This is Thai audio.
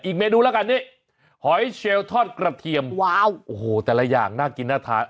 อีกเมนูแล้วกันนี่หอยเชลล์ทอดกระเทียมแต่ละอย่างน่ากินน่าทาน